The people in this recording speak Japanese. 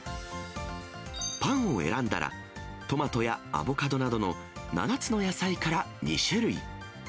パンを選んだら、トマトやアボカドなどの７つの野菜から２種類。